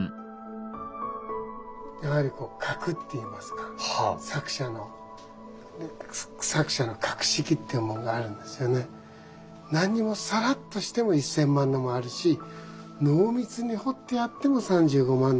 やはりこう格っていいますか作者のなんにもさらっとしても１，０００万のもあるし濃密に彫ってあっても３５万のもあるし。